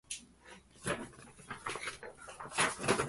彼女は私と別れることを、大へん悲しがり、私を胸に抱きしめて泣きだしました。